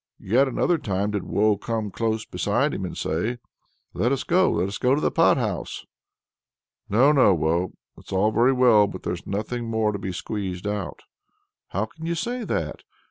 Yet another time did Woe come close beside him and say: "Let us go, let us go to the pot house!" "No, no, Woe! it's all very well, but there's nothing more to be squeezed out." "How can you say that?